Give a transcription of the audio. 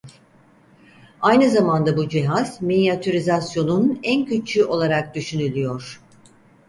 Aynı zamanda bu cihaz minyatürizasyonun en küçüğü olarak düşünülüyor.